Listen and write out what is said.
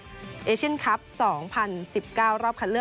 ก็จะเมื่อวันนี้ตอนหลังจดเกม